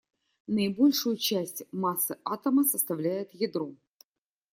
Наибольшую часть массы атома составляет ядро.